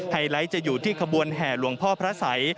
ไลท์จะอยู่ที่ขบวนแห่หลวงพ่อพระสัย